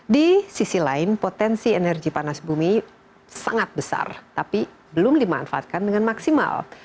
di sisi lain potensi energi panas bumi sangat besar tapi belum dimanfaatkan dengan maksimal